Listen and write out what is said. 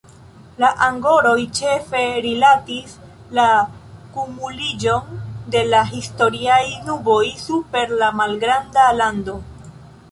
La angoroj ĉefe rilatis la kumuliĝon de la historiaj nuboj super la malgranda lando.